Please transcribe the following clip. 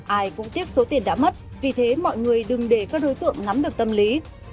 ai cũng tiếc số tiền đã mất vì thế mọi người đừng để các đối tượng nắm được tâm lý